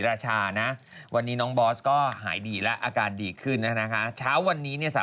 ไปคลอกทั่วร่างกายด้วยนะไปคลอกได้อย่างไรอยู่ในลิฟต์